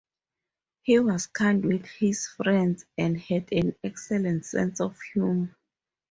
He was kind with his friends and had an excellent sense of humour.